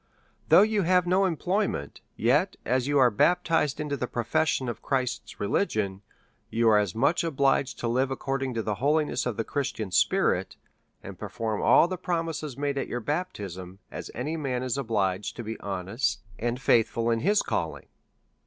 Though you have no employment, yet, as you are baptized into the profession of Christ's religion, you are as much obliged to live according to the holiness of the Christian spirit, and perform all the promises made at your baptism, as any man is obliged to be honest and faithful in his calling.